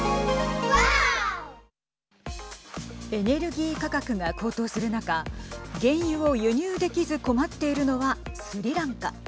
エネルギー価格が高騰する中原油を輸入できず困っているのはスリランカ。